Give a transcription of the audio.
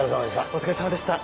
お疲れさまでした。